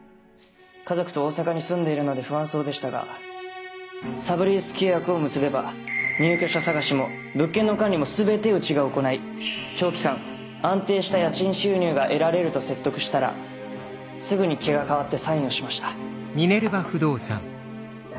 家族と大阪に住んでいるので不安そうでしたがサブリース契約を結べば入居者探しも物件の管理も全てうちが行い長期間安定した家賃収入が得られると説得したらすぐに気が変わってサインをしました。